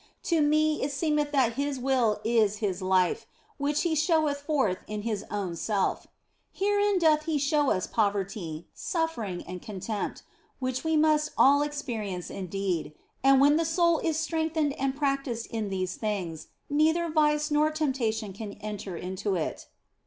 To me it seemeth that His will is His life, which He showeth forth in His own self ; herein doth He show us poverty, suffering, and contempt, which we must all experience indeed, and when the soul is strengthened and practised in these things neither vice nor temptation can enter into it.